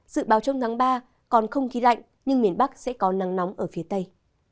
dự báo trong tháng ba còn không khí lạnh nhưng miền bắc sẽ có nắng nóng ở phía tây